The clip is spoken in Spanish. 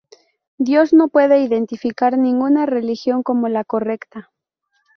Dios no puede identificar ninguna religión como la correcta.